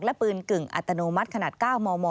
และปืนกึ่งอัตโนมัติขนาด๙มม